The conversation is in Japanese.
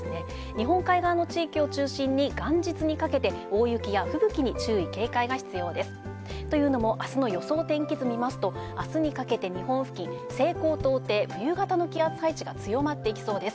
日本海側の地域を中心に、元日にかけて、大雪や吹雪に注意、警戒が必要です。というのも、あすの予想天気図を見ますと、あすにかけて日本付近、西高東低、冬型の気圧配置が強まっていきそうです。